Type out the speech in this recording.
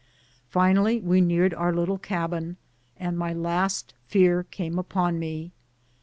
Finally we neared our little cabin, and my last fear came upon me.